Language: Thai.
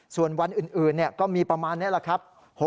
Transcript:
ส่วนวันอื่นก็มีประมาณนี้แหละครับ